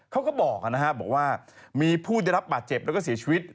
เขาก็บอกว่ามีผู้ได้รับบาดเจ็บแล้วก็เสียชีวิต